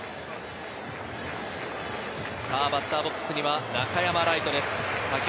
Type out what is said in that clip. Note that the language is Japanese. バッターボックスには中山礼都です。